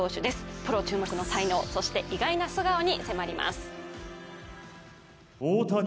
プロ注目の才能そして意外な素顔に迫ります。